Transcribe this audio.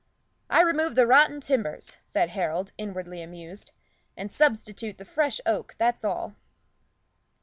"I remove the rotten timbers," said Harold, inwardly amused, "and substitute fresh oak, that's all."